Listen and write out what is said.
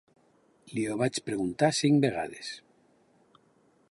Li ho vaig preguntar cinc vegades.